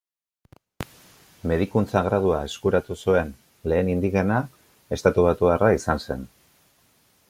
Medikuntza gradua eskuratu zuen lehen indigena estatubatuarra izan zen.